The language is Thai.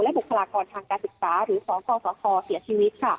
และบุคลากรทางการศึกษาหรือสองข้อสาธารณ์เสียชีวิต